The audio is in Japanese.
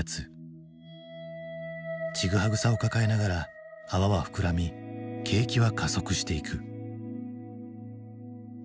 チグハグさを抱えながら泡は膨らみ景気は加速していく。